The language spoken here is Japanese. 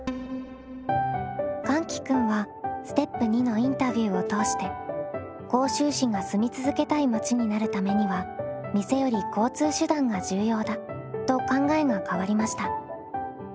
かんき君はステップ２のインタビューを通して甲州市が住み続けたい町になるためには店より交通手段が重要だと考えが変わりました。